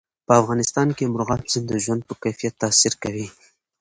په افغانستان کې مورغاب سیند د ژوند په کیفیت تاثیر کوي.